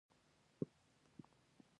د لرې ستوریو د پېژندلو هڅه به کوي.